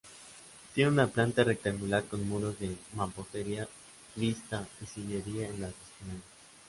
Tiene una planta rectangular con muros de mampostería vista y sillería en los esquinales.